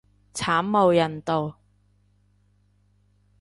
慘無人道